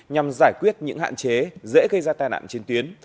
nhằm giải quyết những hạn chế dễ gây ra tai nạn trên tuyến